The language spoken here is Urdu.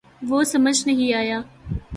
وہ سمجھ نہیں آیا